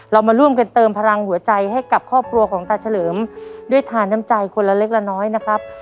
เรามาร่วมกันเติมพลังหัวใจให้กับครอบครัวของตาเฉลิมด้วยทานน้ำใจคนละเล็กละน้อยนะครับ